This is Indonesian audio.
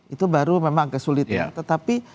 itu baru memang kesulitan tetapi